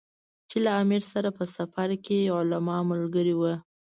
چې له امیر سره په سفر کې علما ملګري ول.